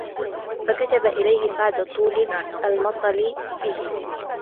فَكَتَبَ إلَيْهِ بَعْدَ طُولِ الْمَطْلِ بِهِ